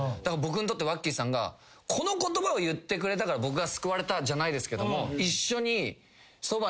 僕にとってワッキーさんがこの言葉を言ってくれたから僕が救われたじゃないですけども。